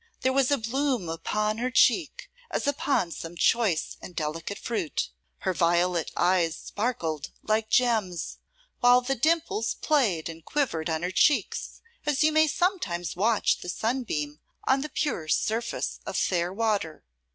There was a bloom upon her cheek, as upon some choice and delicate fruit; her violet eyes sparkled like gems; while the dimples played and quivered on her cheeks, as you may sometimes watch the sunbeam on the pure surface of fair water.